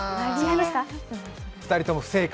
２人とも不正解。